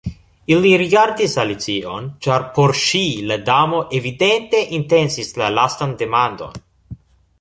Ili rigardis Alicion, ĉar por ŝi la Damo evidente intencis la lastan demandon.